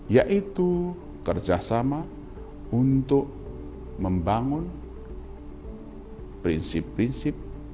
yaitu kerjasama untuk membangun prinsip prinsip